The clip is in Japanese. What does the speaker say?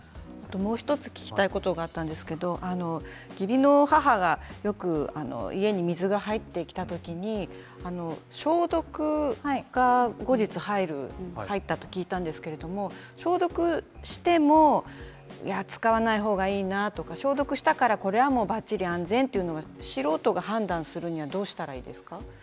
もう１つ聞きたいことがあったんですけど義理の母がよく家に水が入ってきたときに消毒が後日入ったと聞いたんですが消毒しても使わないほうがいいなとか、消毒したからこれはばっちり安全というのは素人が判断するのどうしたらいいですか。